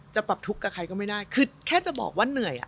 ปรับทุกข์กับใครก็ไม่ได้คือแค่จะบอกว่าเหนื่อยอ่ะ